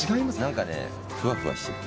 なんかね、ふわふわしてる。